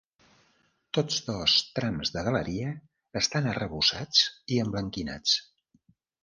Tots dos trams de galeria estan arrebossats i emblanquinats.